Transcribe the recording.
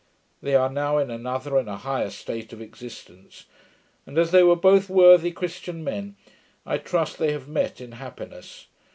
They are now in another, and a higher, state of existence: and as they were both worthy Christian men, I trust they have met in happiness.